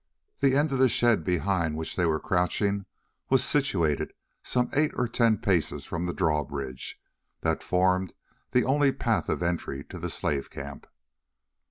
The end of the shed behind which they were crouching was situated some eight or ten paces from the drawbridge, that formed the only path of entry to the slave camp.